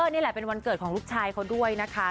นี่แหละเป็นวันเกิดของลูกชายเขาด้วยนะคะ